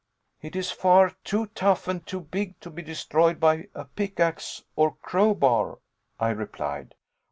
"It is far too tough and too big to be destroyed by a pickax or crowbar," I replied.